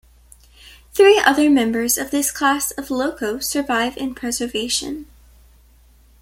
Three other members of this class of loco survive in preservation.